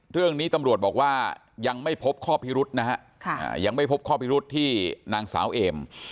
เรื่องนี้ตำรวจบอกว่ายังไม่พบข้อพิรุษนะฮะยังไม่พบข้อพิรุษที่นางสาวเอม